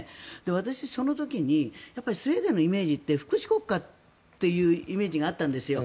私、その時にスウェーデンのイメージって福祉国家っていうイメージがあったんですよ。